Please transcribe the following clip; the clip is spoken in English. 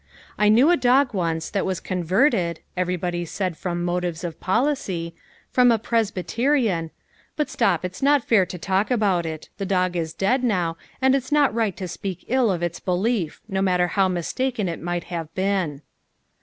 I knew a dog once that was converted, everybody said from motives of policy, from a Presbyterian, but, stop, it's not fair to talk about it, the dog is dead now, and it's not right to speak ill of its belief, no matter how mistaken it may have been.